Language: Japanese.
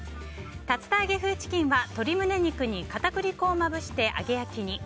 竜田揚げ風チキンは、鶏胸肉に片栗粉をまぶして揚げ焼きに。